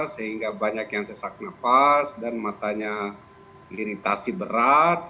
sehingga banyak yang sesak nafas dan matanya iritasi berat